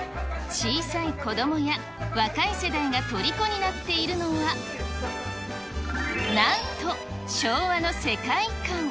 小さい子どもや、若い世代がとりこになっているのは、なんと昭和の世界観。